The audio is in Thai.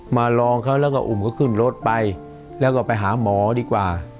มาลองเขาแล้วก็อุ่มเขาขึ้นรถไปแล้วก็ไปหาหมอดีกว่า